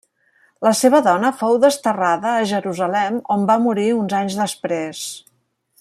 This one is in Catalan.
La seva dona fou desterrada a Jerusalem on va morir uns anys després.